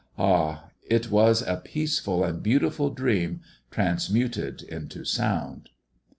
Ah ! it was a peaceful and beautiful dream transmuted into sound.